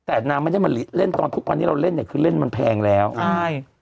แต่นางไม่ได้มาเล่นตอนทุกวันนี้เราเล่นเนี่ยคือเล่นมันแพงแล้วใช่